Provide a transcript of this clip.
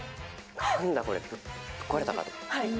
なんだこれ、壊れたかと。